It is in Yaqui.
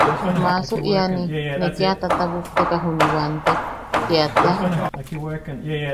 –Maasu iani, ne kia tatabujteka juni wantek. – Tia tea.